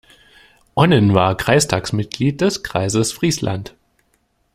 Onnen war Kreistagsmitglied des Kreises Friesland.